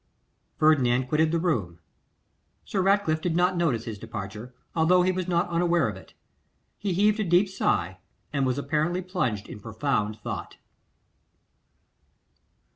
Ferdinand quitted the room; Sir Ratcliffe did not notice his departure, although he was not unaware of it. He heaved a deep sigh, and was apparently plunged in profound thought.